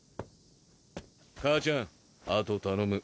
母ちゃんあと頼む。